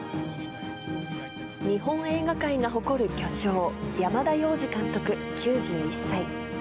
日本映画界が誇る巨匠、山田洋次監督９１歳。